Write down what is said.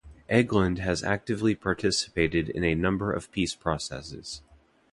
Egeland has actively participated in a number of peace processes.